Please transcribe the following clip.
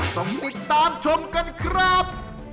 ต้องติดตามชมกันครับ